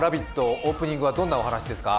オープニングはどんなお話ですか。